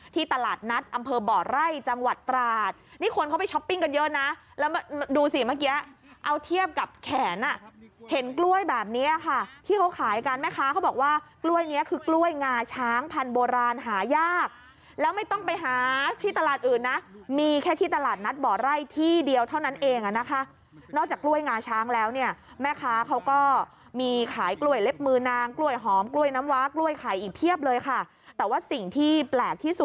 ที่ตลาดนัดอำเภอบ่อไร่จังหวัดตราดนี่ควรเข้าไปช้อปปิ้งกันเยอะนะแล้วดูสิเมื่อกี้เอาเทียบกับแขนเห็นกล้วยแบบนี้ค่ะที่เขาขายกันไหมคะเขาบอกว่ากล้วยนี้คือกล้วยงาช้างพันธุ์โบราณหายากแล้วไม่ต้องไปหาที่ตลาดอื่นนะมีแค่ที่ตลาดนัดบ่อไร่ที่เดียวเท่านั้นเองนะคะนอกจากกล้วยงาช้างแล้วเนี่ยแม